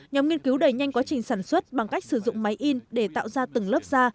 nhóm nghiên cứu đẩy nhanh quá trình sản xuất bằng cách sử dụng máy in để tạo ra từng lớp da